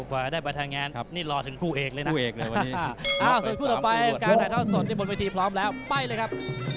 กว่าได้ไปทำงานนี่รอถึงคู่เอกเลยนะคู่เอกเลยวันนี้ส่วนคู่ต่อไปการถ่ายทอดสดที่บนเวทีพร้อมแล้วไปเลยครับ